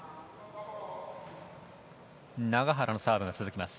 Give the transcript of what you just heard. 永原のサーブが続きます。